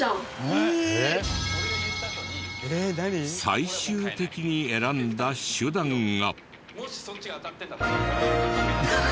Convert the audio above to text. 最終的に選んだ手段が。